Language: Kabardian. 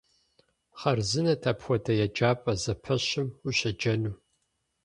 Хъарзынэт апхуэдэ еджапӏэ зэпэщым ущеджэну.